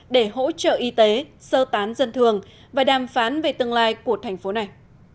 để hỗ trợ y tế sơ tán dân thường và đàm phán về tương lai của thành phố này